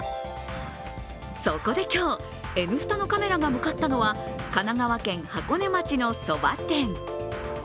そこで今日、「Ｎスタ」のカメラが向かったのは、神奈川県箱根町のそば店。